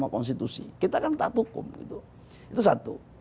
kita kan tak hukum itu satu